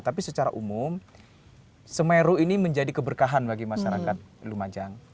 tapi secara umum semeru ini menjadi keberkahan bagi masyarakat lumajang